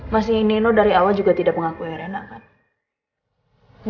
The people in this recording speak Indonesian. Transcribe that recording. mas nino dari awal juga tidak mengakui rena kan